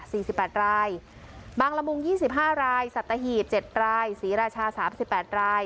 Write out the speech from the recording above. สิบแปดรายบางละมุงยี่สิบห้ารายสัตหีบเจ็ดรายศรีราชาสามสิบแปดราย